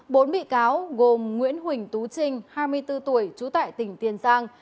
bốn bị cáo gồm nguyễn huỳnh tú trinh hai mươi bốn tuổi trú tại tỉnh tiền giang